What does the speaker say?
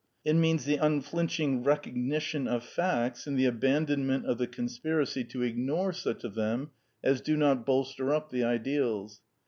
It means the unflinching recognition of facts, and the aban donment of the conspiracy to ignore such of them as do not bolster up the ideals.